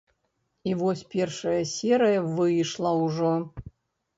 І вось першая серыя выйшла ўжо.